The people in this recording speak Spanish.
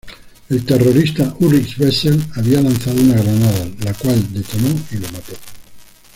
El terrorista Ulrich Wessel había lanzado una granada, la cual detonó y lo mató.